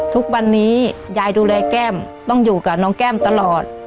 ทุกวันนี้ยายดูแลแก้มต้องอยู่กับน้องแก้มตลอด